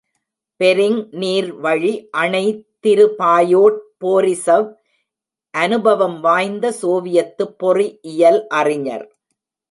Bering நீர்வழி அணை திரு பயோட் Borisov அனுபவம் வாய்ந்த சோவியத்துப் பொறி இயல் அறிஞர்.